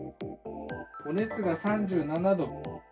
お熱が３７度。